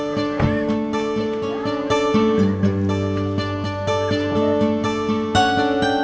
biar sama saya aja teh